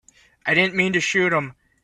I didn't mean to shoot him.